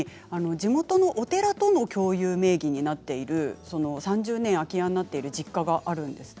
地元のお寺との共有名義になっている３０年空き家になっている実家があるんですって。